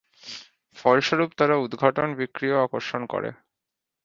ফলস্বরূপ তারা উদ্ঘাটন বিক্রিয়া আকর্ষণ করে।